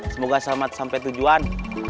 semoga selamat sampai tujuan